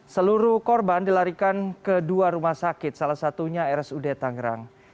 seluruh korban dilarikan ke dua rumah sakit salah satunya rsud tangerang